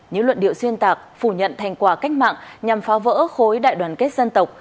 những luận điệu xuyên tạc phủ nhận thành quả cách mạng nhằm phá vỡ khối đại đoàn kết dân tộc